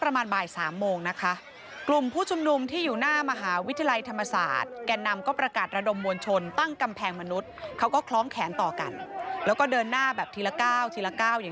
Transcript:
ประมาณบ่ายสามโมงนะคะกลุ่มผู้ชุมนุมที่อยู่หน้ามหาวิทยาลัยธรรมศาสตร์แก่นำก็ประกาศระดมมวลชนตั้งกำแพงมนุษย์เขาก็คล้องแขนต่อกันแล้วก็เดินหน้าแบบทีละเก้าทีละเก้าอย่าง